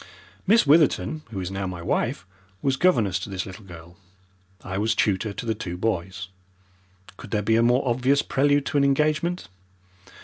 Miss Witherton, who is now my wife, was governess to this little girl. I was tutor to the two boys. Could there be a more obvious prelude to an engagement?